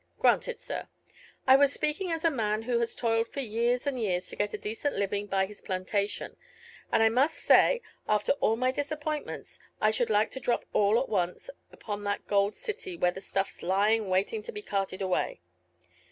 "Granted, sir. I was speaking as a man who has toiled for years and years to get a decent living by his plantation, and I must say, after all my disappointments I should like to drop all at once upon that gold city where the stuff's lying waiting to be carted away."